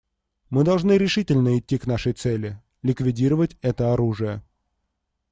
Мы должны решительно идти к нашей цели — ликвидировать это оружие.